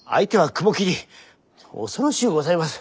恐ろしゅうございます。